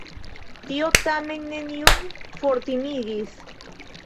Tio tamen neniun fortimigis.